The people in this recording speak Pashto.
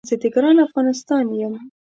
زه د ګران هیواد افغانستان یم